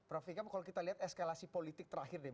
prof fikam kalau kita lihat eskalasi politik tersebut